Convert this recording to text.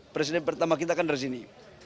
presiden pertama kita kan dari sini